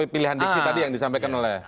pilihan diksi tadi yang disampaikan oleh